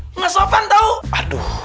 nggak sopan tau